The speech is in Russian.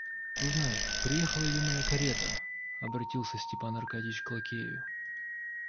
Узнай, приехала ли моя карета, — обратился Степан Аркадьич к лакею.